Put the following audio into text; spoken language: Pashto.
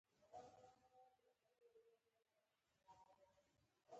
هغه احمق نه پوهیږي چې پاڅون دلته ناممکن دی